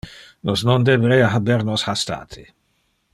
Nos non deberea haber nos hastate.